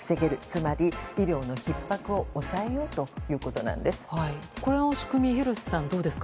つまり医療のひっ迫を抑えようということです。